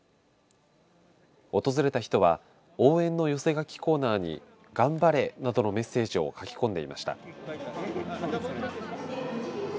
訪れた人は応援の寄せ書きコーナーにがんばれなどのメッセージを書き込んでいました。